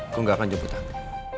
aku gak akan jemput tangan